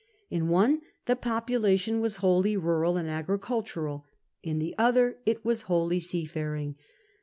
In one the population was wholly rural and agricultural, in the other it was wholly seafaring.